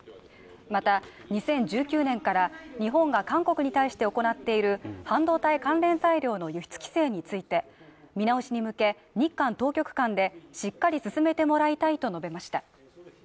また２０１９年から日本が韓国に対して行っている半導体関連材料の輸出規制について見直しに向け、日韓当局間でしっかり進めてもらいたいと述べました。